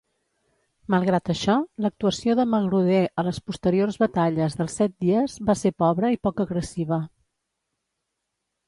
Malgrat això, l'actuació de Magruder a les posteriors Batalles dels Set Dies va ser pobra i poc agressiva.